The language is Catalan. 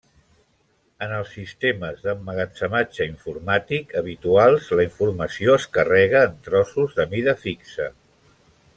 En els sistemes d'emmagatzematge informàtic habituals, la informació es carrega en trossos de mida fixa.